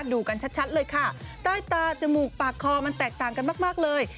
ดูกันชัดเลยค่ะใต้ตาจมูกปากคอมันแตกต่างกันมากเลย